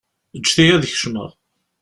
Ǧǧet-iyi ad kecmeɣ.